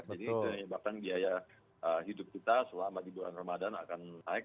jadi bahkan biaya hidup kita selama di bulan ramadan akan naik